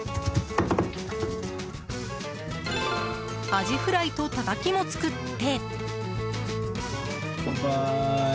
アジフライと、たたきも作って。